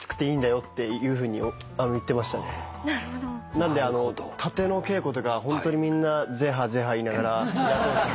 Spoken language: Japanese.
なので殺陣の稽古とかホントにみんなゼーハーゼーハーいいながらやってました。